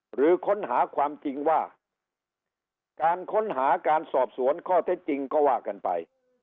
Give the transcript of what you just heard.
หรือค้นหาความจริงว่าการค้นหาการสอบสวนข้อเท็จจริงก็ว่ากันไป